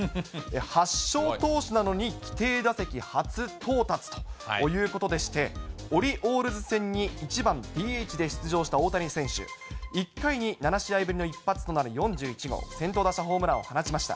８勝投手なのに規定打席初到達ということでして、オリオールズ戦に１番ＤＨで出場した１回に７試合ぶりの一発となる４１号先頭打者ホームランを放ちました。